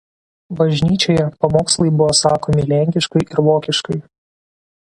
Bažnyčioje pamokslai buvo sakomi lenkiškai ir vokiškai.